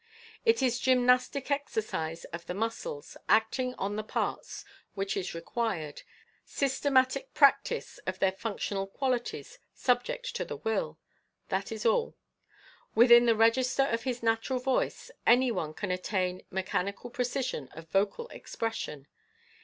It is gymnastic exercise of the muscles, acting on the parts, which is required — systematic practice of their functional qualities, subject to the will. That is all. Within the register of his natural voice any one can attain mechanical precision of vocal expression.